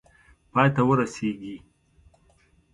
پای ته ورسیږي.